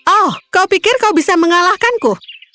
oh kau pikir kau bisa mengalahkanku